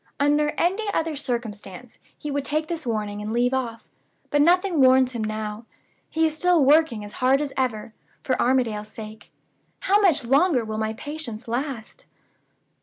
Under any other circumstances he would take the warning and leave off. But nothing warns him now. He is still working as hard as ever, for Armadale's sake. How much longer will my patience last?"